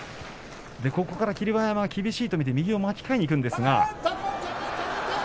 ここから霧馬山厳しいと見て右に巻き替えにきます。